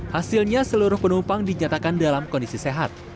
hasilnya seluruh penumpang dinyatakan dalam kondisi sehat